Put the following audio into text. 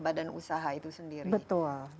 badan usaha itu sendiri